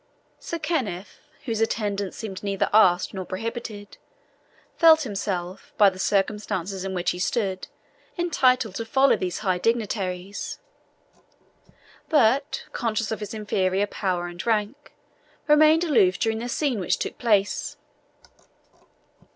Sir Kenneth, whose attendance seemed neither asked nor prohibited, felt himself, by the circumstances in which he stood, entitled to follow these high dignitaries; but, conscious of his inferior power and rank, remained aloof during the scene which took place.